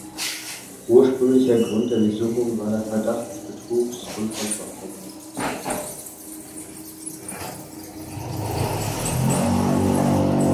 Ursprünglicher Grund der Durchsuchung war der Verdacht des Betrugs und von Schwarzarbeit.